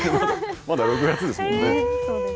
まだ６月ですもんね。